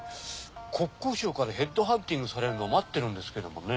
国交省からヘッドハンティングされるの待ってるんですけどもね。